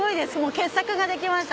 傑作ができました。